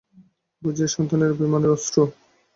বুঝি এ সন্তানের অভিমানের অশ্রু।